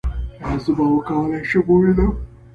ایا زه به وکولی شم ووینم؟